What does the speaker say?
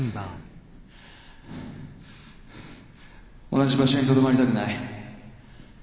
同じ場所にとどまりたくない。